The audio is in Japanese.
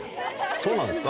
そうなんですか？